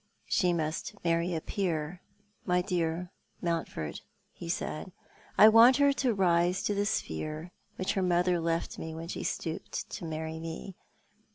"She must marry a peer, my dear Monntford," he said. "I want her to rise to the sphere which her mother left when she stooped to marry me.